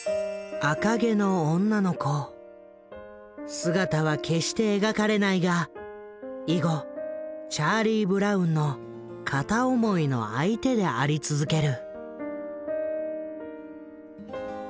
姿は決して描かれないが以後チャーリー・ブラウンの片思いの相手であり続ける。